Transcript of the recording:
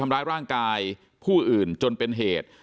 ทำร้ายร่างกายผู้อื่นจนเป็นเหตุ